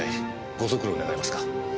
ご足労願えますか。